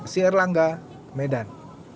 sier langga medan